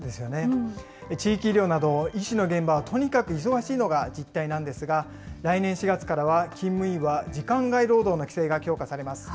地域医療など、医師の現場はとにかく忙しいのが実態なんですが、来年４月からは、勤務医は時間外労働の規制が強化されます。